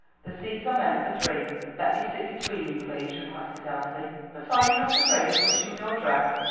"The seats are meant for three; let me sit between you, please," requested Elsie. "But are you not afraid of crushing your dress?"